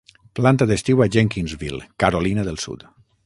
Planta d'estiu a Jenkinsville, Carolina del Sud.